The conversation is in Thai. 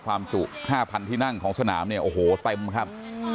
จุ๕๐๐ที่นั่งของสนามเนี่ยโอ้โหเต็มครับ